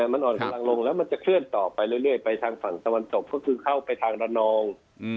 มันอ่อนกำลังลงแล้วมันจะเคลื่อนต่อไปเรื่อยไปทางฝั่งตะวันตกก็คือเข้าไปทางระนอง